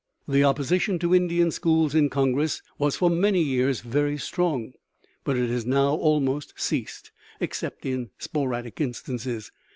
The opposition to Indian schools in Congress was for many years very strong, but it has now almost ceased, except in sporadic instances.